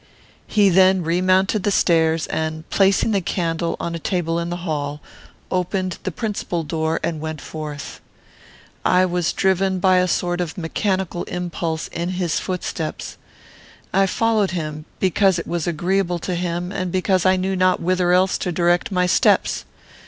He then remounted the stairs, and, placing the candle on a table in the hall, opened the principal door and went forth. I was driven, by a sort of mechanical impulse, in his footsteps. I followed him because it was agreeable to him and because I knew not whither else to direct my steps.